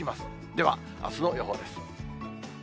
では、あすの予報です。